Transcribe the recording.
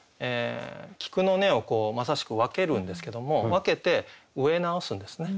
菊の根をまさしく分けるんですけども分けて植え直すんですね。